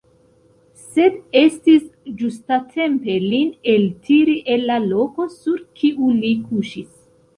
Sed estis ĝustatempe lin eltiri el la loko, sur kiu li kuŝis.